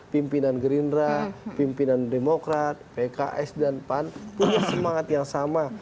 pimpinan gerindra pimpinan demokrat pks dan pan punya semangat yang sama